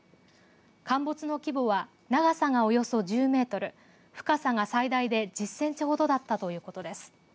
陥没の規模は長さがおよそ１０メートル、深さが最大で１０センチほどだったということです。